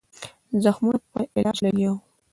زخمونو په علاج لګیا وو.